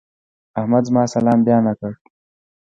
احمد زما سلام بيا نه کړ.